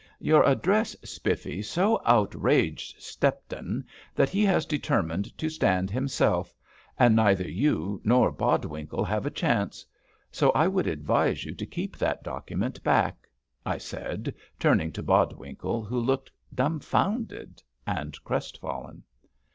Your address, Spiffy, so outraged Stepton, that he has determined to stand himself, and neither you nor Bodwinkle have a chance; so I would advise you to keep that document back," I said, turning to Bodwinkle, who looked dumbfounded and crestfallen.